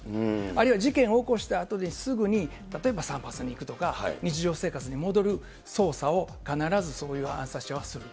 あるいは事件を起こしたあとで、すぐに例えば散髪に行くとか、日常生活に戻る捜査を必ずそういう暗殺者はする。